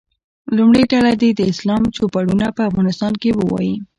لومړۍ ډله دې د اسلام چوپړونه په افغانستان کې ووایي.